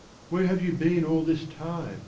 " Where have you been all this time ?